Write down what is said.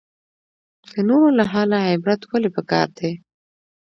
د نورو له حاله عبرت ولې پکار دی؟